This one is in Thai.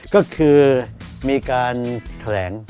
ก็คือมีการแถลง